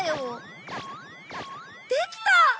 できた！